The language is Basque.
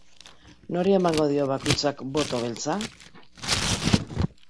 Nori emango dio bakoitzak boto beltza?